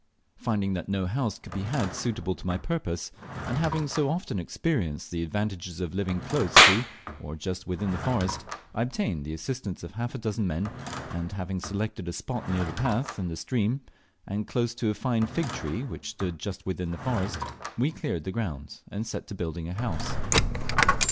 Finding that no house could be had suitable to my purpose, and hawing so often experienced the advantages of living close to or just within the forest, I obtained the assistance of half a dozen men; and having selected a spot near the path and the stream, and close to a fine fig tree, which stood just within the forest, we cleared the ground and set to building a house.